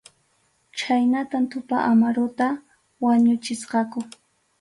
Chhaynatam Tupa Amaruta wañuchisqaku.